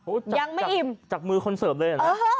โอ้โหจักมื้อคนเสิร์ฟเลยน่ะ